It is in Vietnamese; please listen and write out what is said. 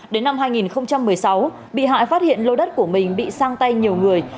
đến năm hai nghìn một mươi sáu bị hại phát hiện lô đất của mình bị sang tay nhiều người